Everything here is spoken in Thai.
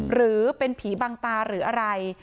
หรือเป็นผีบังตาหรืออะไร